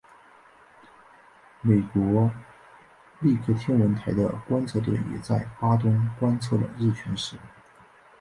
美国利克天文台的观测队也在巴东观测了日全食。